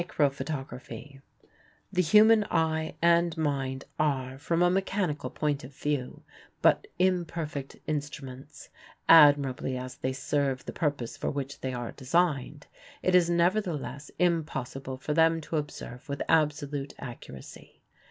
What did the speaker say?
Anderson PHOTOGRAPH TAKEN IN A SNOWSTORM New York] The human eye and mind are, from a mechanical point of view, but imperfect instruments. Admirably as they serve the purpose for which they are designed, it is nevertheless impossible for them to observe with absolute accuracy.